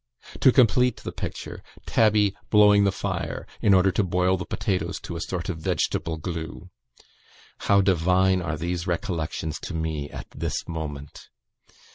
To complete the picture, Tabby blowing the fire, in order to boil the potatoes to a sort of vegetable glue! How divine are these recollections to me at this moment!